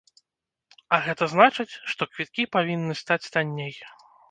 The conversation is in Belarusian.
А гэта значыць, што квіткі павінны стаць танней.